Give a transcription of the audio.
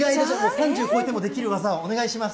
３０超えてもできる技をお願いします。